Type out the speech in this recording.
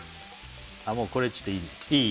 もうこれちょっといいねいい？